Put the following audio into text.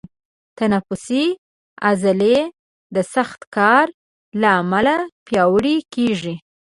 تنفسي عضلې د سخت کار له امله پیاوړي کېږي.